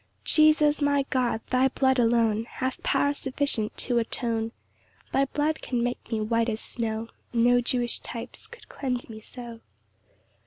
6 Jesus, my God, thy blood alone Hath power sufficient to atone; Thy blood can make me white as snow; No Jewish types could cleanse me so.